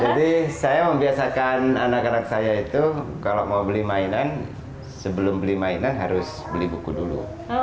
jadi saya membiasakan anak anak saya itu kalau mau beli mainan sebelum beli mainan harus beli buku dulu